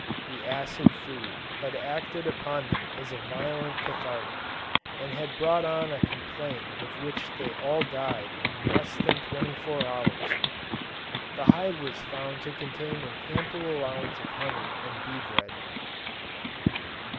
The acid food had acted upon them as a violent cathartic, and had brought on a complaint of which they all died in less than 24 hours: the hive was found to contain an ample allowance of honey and bee bread.